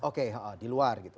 oke di luar gitu